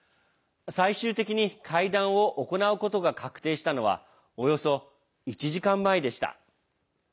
最終的に会談を行うことが確定したのはおよそ１時間前でした。